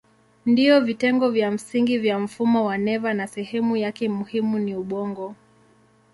Ndiyo vitengo vya msingi vya mfumo wa neva na sehemu yake muhimu ni ubongo.